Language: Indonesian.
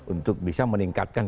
untuk bisa meningkatkan